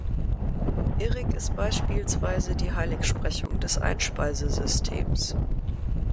Irrig ist beispielsweise die Heiligsprechung des Einspeisesystems.